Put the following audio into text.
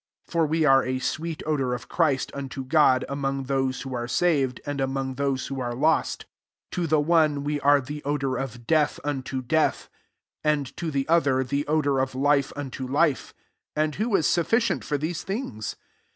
15 (For we are a sweet odourt of Christ unto God, among those who are sav ed, and among those who are lost : 16 to the one we are the odour of death unto death ; and to the other, the odour of life unto life : and who ia sufficient for these things